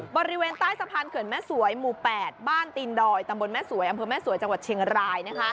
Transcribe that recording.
บริเวณใต้สะพานเขื่อนแม่สวยหมู่๘บ้านตีนดอยตำบลแม่สวยอำเภอแม่สวยจังหวัดเชียงราย